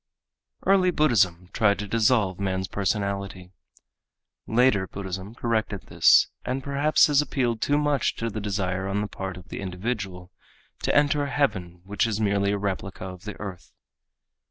Early Buddhism tried to dissolve man's personality. Later Buddhism corrected this and perhaps has appealed too much to the desire on the part of the individual to enter a heaven which is merely a replica of the earth.